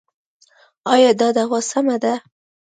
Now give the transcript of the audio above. ایا دا دوا سمه ده؟